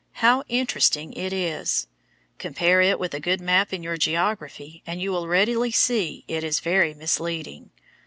How interesting it is! Compare it with a good map in your geography and you will readily see that it is very misleading.